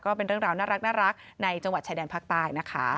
ก็เป็นเรื่องราวน่ารักในจังหวัดชายแดนภาคใต้นะคะ